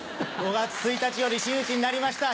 ５月１日より真打ちになりました